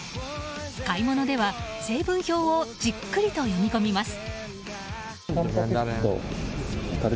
買い物では成分表をじっくりと読み込みます。